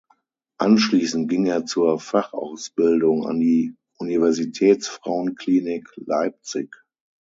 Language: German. Anschließend ging er zur Fachausbildung an die Universitätsfrauenklinik Leipzig.